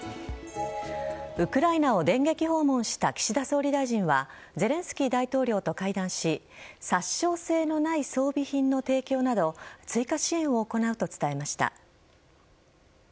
ウクライナを電撃訪問した岸田総理大臣はゼレンスキー大統領と会談し殺傷性のない装備品の提供など追加支援を行うと伝えました。